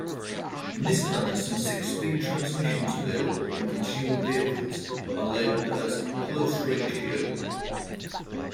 In this manner, some six-speed transmissions available in consumer vehicles are labelled as "close-ratio".